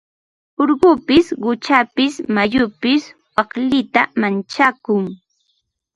Urqupis quchapis mayupis waklita manchakun.